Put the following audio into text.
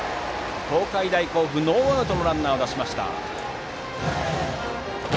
東海大甲府、ノーアウトのランナーを出しました。